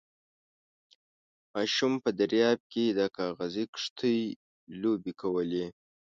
ماشوم په درياب کې د کاغذي کښتۍ لوبې کولې.